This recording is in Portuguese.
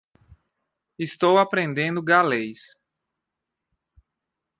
Estou aprendendo galês.